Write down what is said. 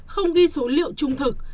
không ghi số liệu trung thực